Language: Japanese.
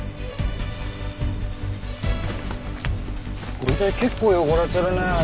ご遺体結構汚れてるね。